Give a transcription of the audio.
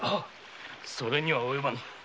それにはおよばぬ。